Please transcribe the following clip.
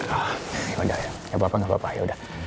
oh yaudah ya gak apa apa gak apa apa yaudah